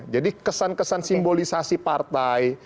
jadi kesan kesan simbolisasi partai